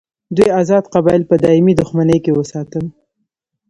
دوی آزاد قبایل په دایمي دښمني کې وساتل.